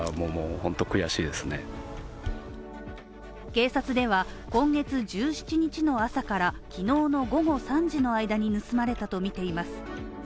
警察では今月１７日の朝から、昨日の午後３時の間に盗まれたとみています